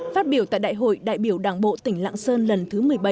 phát biểu tại đại hội đại biểu đảng bộ tỉnh lạng sơn lần thứ một mươi bảy